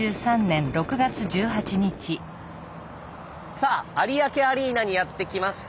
さあ有明アリーナにやって来ました。